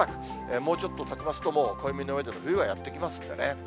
もうちょっとたちますと、もう暦の上でも、冬やってきますのでね。